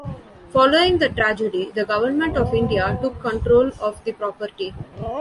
Following the tragedy, the Government of India took control of the property.